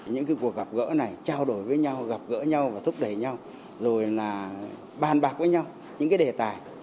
những cái cuộc gặp gỡ này trao đổi với nhau gặp gỡ nhau và thúc đẩy nhau rồi là bàn bạc với nhau những cái đề tài